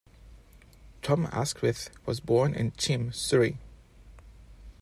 Tom Askwith was born in Cheam, Surrey.